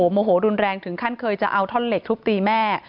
โมโหรุนแรงถึงขั้นเคยจะเอาท่อนเหล็กทุบตีแม่